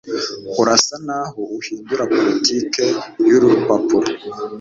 Urasa naho uhindura politiki yuru rupapuro